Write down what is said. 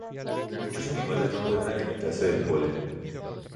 Muchos animales no pueden alimentarse del polen.